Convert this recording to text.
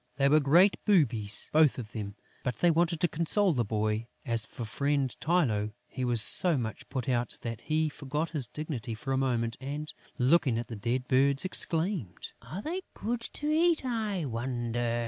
They were great boobies, both of them; but they wanted to console the boy. As for friend Tylô, he was so much put out that he forgot his dignity for a moment and, looking at the dead birds, exclaimed: "Are they good to eat, I wonder?"